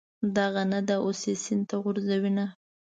دغه نه ده، اوس یې سین ته غورځوینه.